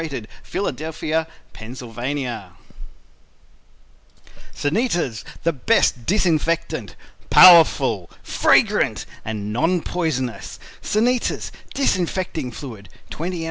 Philadelphia. Pa. SANITAS THE BEST DISINFECTANT Powerful, Fragrant and Non poisonous "Sanitas" Disinfecting Fluid, 20 oz.